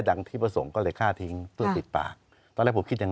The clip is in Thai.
ที่พระสงฆ์ก็เลยฆ่าทิ้งเพื่อปิดปากตอนแรกผมคิดอย่าง